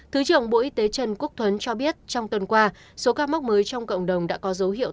thứ trưởng bộ y tế trần quốc tuấn cho biết trong tuần qua số ca mắc mới trong cộng đồng đã có dấu hiệu